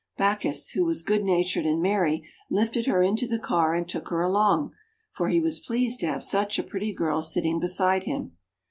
Bacchus, who was good natured and merry, lifted her into the car, and took her along; for he was pleased to have such a pretty girl sitting beside him.